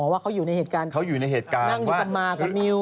อ๋อว่าเขาอยู่ในเหตุการณ์นั่งดูกับมากับมิว